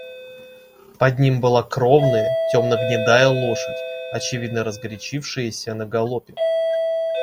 Под ним была кровная темно-гнедая лошадь, очевидно разгорячившаяся на галопе.